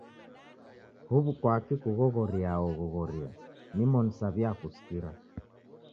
Huw'u kwaki kughoghoriaa oghoghoria? Nimoni saw'iakusikira.